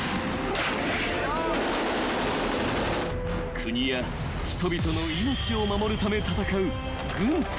［国や人々の命を守るため戦う］